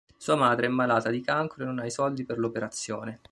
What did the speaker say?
Sua madre è malata di cancro e non ha i soldi per l'operazione.